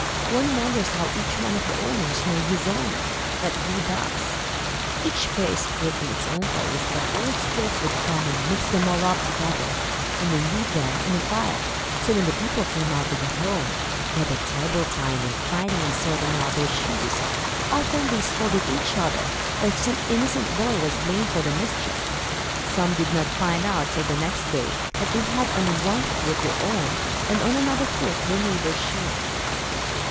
One wonders how each one of the owners knows his own, but he does. Each pair is put in its own place, but Old Styf would come and mix them all up together, and then leave them in a pile. So when the people came out to go home, they had a terrible time in finding and sorting out their shoes. Often they scolded each other; or, some innocent boy was blamed for the mischief. Some did not find out, till the next day, that they had on one foot their own, and on another foot, their neighbor's shoe.